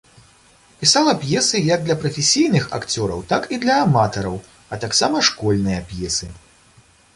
Пісала п'есы як для прафесійных акцёраў, так і для аматараў, а таксама школьныя п'есы.